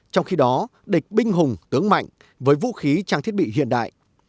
trong khi đó địch binh hùng tướng mạnh với vũ khí trang thiết bị hiện đại